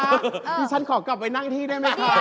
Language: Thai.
นี่ฉันขอกลับไปนั่งที่ได้ไหมคะ